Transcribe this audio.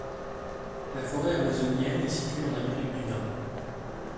La forêt amazonienne est située en Amérique du Nord.